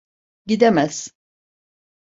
Gidemez.